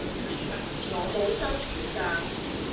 我冇收錢㗎